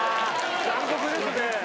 残酷ですね。